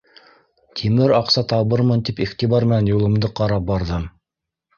Тимер аҡса табырмын тип иғтибар менән юлымды ҡарап барҙым.